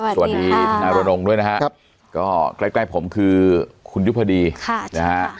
สวัสดีทนายโรงด้วยนะครับก็ใกล้ผมคือคุณยุภดีนะฮะ